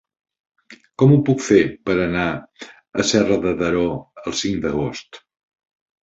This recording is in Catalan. Com ho puc fer per anar a Serra de Daró el cinc d'agost?